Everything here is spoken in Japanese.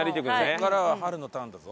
ここからははるのターンだぞ。